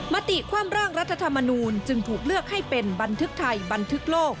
มติความร่างรัฐธรรมนูลจึงถูกเลือกให้เป็นบันทึกไทยบันทึกโลก